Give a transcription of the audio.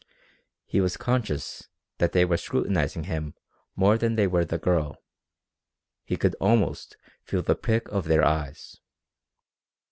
He was conscious that they were scrutinizing him more than they were the girl. He could almost feel the prick of their eyes.